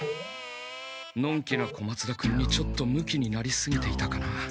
のんきな小松田君にちょっとムキになりすぎていたかな？